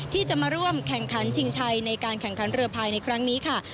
ที่จะมาร่วมแข่งขันชิงชัยในการแข่งขันเรือภายในครั้งนี้ค่ะ